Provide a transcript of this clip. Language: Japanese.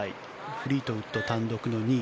フリートウッド、単独の２位